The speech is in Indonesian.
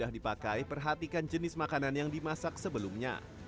sudah dipakai perhatikan jenis makanan yang dimasak sebelumnya